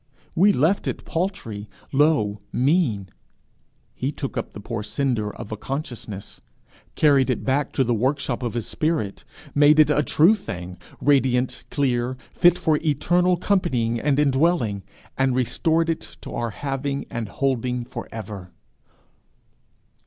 We left it paltry, low, mean; he took up the poor cinder of a consciousness, carried it back to the workshop of his spirit, made it a true thing, radiant, clear, fit for eternal companying and indwelling, and restored it to our having and holding for ever!